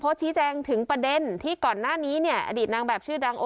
ชี้แจงถึงประเด็นที่ก่อนหน้านี้เนี่ยอดีตนางแบบชื่อดัง